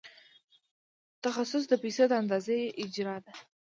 تخصیص د پیسو د اندازې اجرا ده.